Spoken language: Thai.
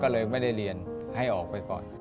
ก็เลยไม่ได้เรียนให้ออกไปก่อน